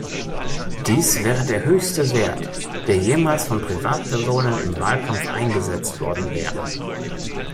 Dies wäre der höchste Wert, der jemals von Privatpersonen im Wahlkampf eingesetzt worden wäre.